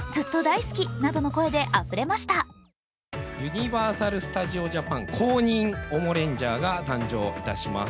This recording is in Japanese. ユニバーサル・スタジオ・ジャパン公認ＯＭＯレンジャーが誕生いたします。